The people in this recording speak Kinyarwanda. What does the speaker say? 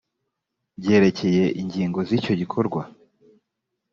byerekeye ingingo z icyo gikorwa